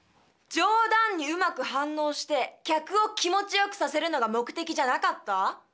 冗談にうまく反応して客を気持ちよくさせるのが目的じゃなかった？